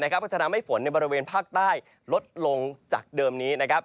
ก็จะทำให้ฝนในบริเวณภาคใต้ลดลงจากเดิมนี้